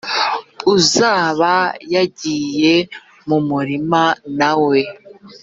uzaba yagiye mu murima na we